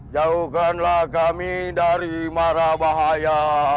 jauhkanlah kami dari marah bahaya